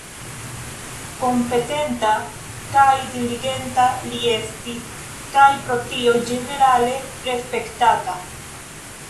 Kompetenta kaj diligenta li estis, kaj pro tio ĝenerale respektata.